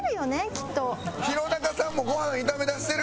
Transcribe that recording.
きっと。